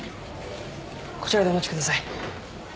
こちらでお待ちください。